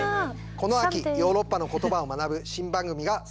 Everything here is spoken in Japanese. この秋、ヨーロッパの言葉を学ぶ新番組がスタート。